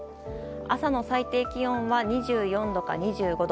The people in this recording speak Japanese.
朝の最低気温は２４度か２５度。